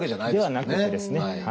ではなくてですね。